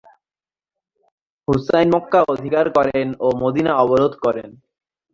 Hussain Mecca অধিকার করেন ও মদীনা অবরোধ করেন।